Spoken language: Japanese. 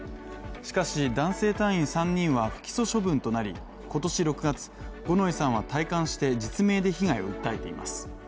しかし男性隊員３人は不起訴処分となり今年６月、五ノ井さんは退官して実名で被害を訴えています。